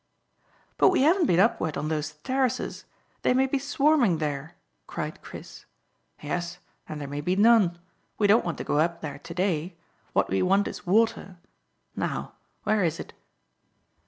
"But we haven't been upward on those terraces. They may be swarming there," cried Chris. "Yes, and there may be none. We don't want to go up there to day. What we want is water. Now, where is it?"